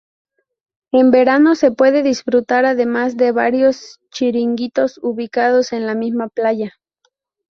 En verano, se puede disfrutar además de varios chiringuitos ubicados en la misma playa.